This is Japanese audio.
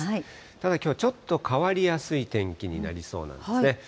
ただきょう、ちょっと変わりやすい天気になりそうなんですね。